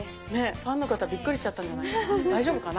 ファンの方びっくりしちゃったんじゃないかな？